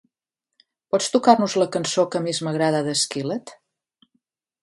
Pots tocar-nos la cançó que més m'agrada de Skillet?